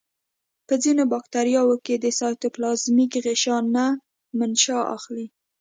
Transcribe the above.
په ځینو باکتریاوو کې د سایتوپلازمیک غشا نه منشأ اخلي.